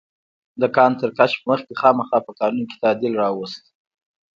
د کان تر کشف مخکې خاما په قانون کې تعدیل راوست.